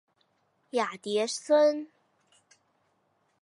芽叠生。